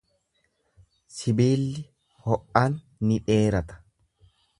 Sibiilli ho’aan ni dheerata.